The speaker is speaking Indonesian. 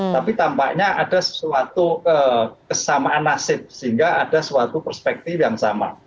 sehingga adanya suatu kesamaan nasib sehingga ada suatu perspektif yang sama